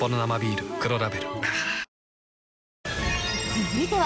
続いては